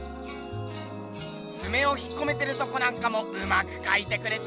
つめを引っこめてるとこなんかもうまくかいてくれてんな！